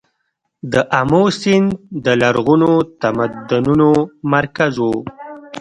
د امو سیند د لرغونو تمدنونو مرکز و